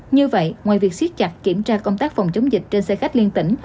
như vậy ngoài việc siết chặt kiểm tra công tác phòng chống dịch trên xe khách liên tỉnh